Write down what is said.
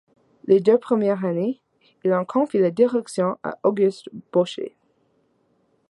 Les deux premières années, il en confie la direction à Auguste Bocher.